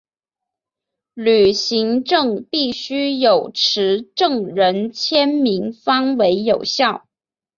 旅行证必须有持证人签名方为有效。